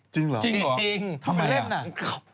จริงเหรอทำไมล่ะน่ะ